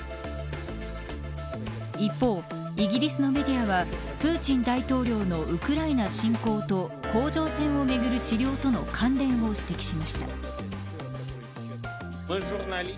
一方、イギリスのメディアはプーチン大統領のウクライナ侵攻と甲状腺をめぐる治療との関連を指摘しました。